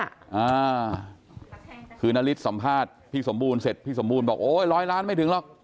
อ่าคือนาริสสัมภาษณ์พี่สมบูรณ์เสร็จพี่สมบูรณบอกโอ้ยร้อยล้านไม่ถึงหรอก